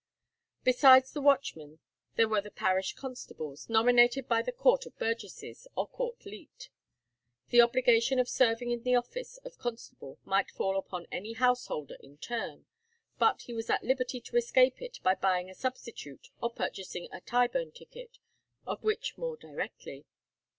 Besides the watchmen there were the parish constables, nominated by the court of burgesses, or court leet. The obligation of serving in the office of constable might fall upon any householder in turn, but he was at liberty to escape it by buying a substitute or purchasing a "Tyburn ticket," of which more directly.